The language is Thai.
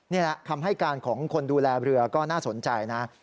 นี่แหละคำให้การของคนดูแลเรือก็น่าสนใจนะ